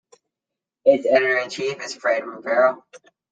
Its editor-in-chief is Fred Rivara.